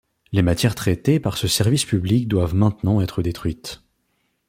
Les matières traitées par ce service public doivent maintenant être détruites.